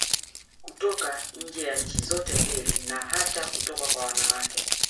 Kutoka nje ya nchi zote mbili na hata kutoka kwa wanawake